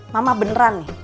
mama beneran nih